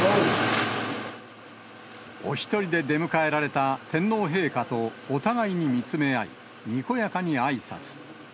お１人で出迎えられた天皇陛下とお互いに見つめ合い、にこやかにあいさつ。